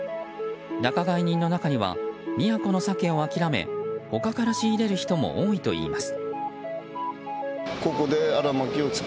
仲買人の中には宮古のサケを諦め他から仕入れる人も多いといいます。